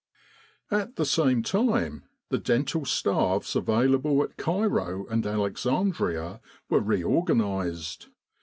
At the same time, the dental staffs available at Cairo and Alexandria were re organised.